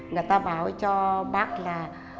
người ta báo cho bác là